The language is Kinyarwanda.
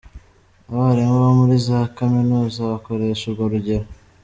Abarimu bo muri za Kaminuza bakoresha urwo rugero.